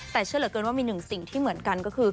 แต่เชื่อเหลือเกินว่ามีหนึ่งสิ่งที่เหมือนกันก็คือ